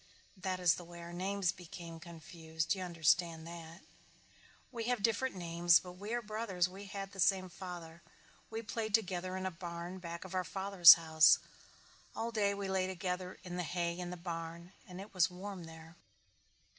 That is the way our names became confused. You understand that. We have different names but we are brothers. We had the same father. We played together in a barn back of our father's house. All day we lay together in the hay in the barn and it was warm there."